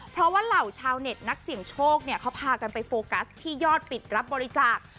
เพราะว่าเหล่าชาวเน็ตนักเสี่ยงโชคเนี่ยเขาพากันไปโฟกัสที่ยอดปิดรับบริจาค